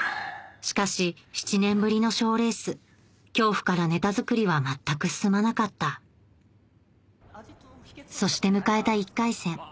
しかし７年ぶりの賞レース恐怖からネタ作りは全く進まなかったそして迎えた１回戦